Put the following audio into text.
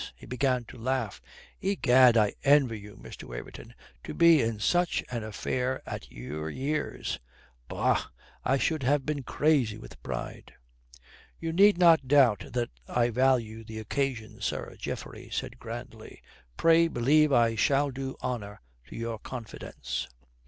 He began to laugh. "Egad, I envy you, Mr. Waverton. To be in such an affair at your years bah, I should have been crazy with pride." "You need not doubt that I value the occasion, sir," Geoffrey said grandly. "Pray, believe that I shall do honour to your confidence."